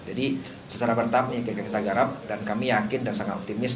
jadi secara bertamanya kita garap dan kami yakin dan sangat optimis